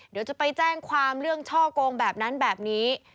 เดี๋ยวจะไปแจ้งความเรื่องช่อกงแบบนั้นแบบนี้